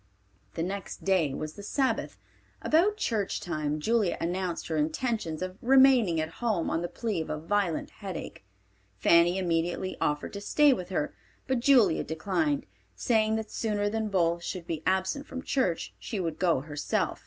The next day was the Sabbath. About church time Julia announced her intentions of remaining at home on the plea of a violent headache. Fanny immediately offered to stay with her, but Julia declined, saying that sooner than both should be absent from church she would go herself.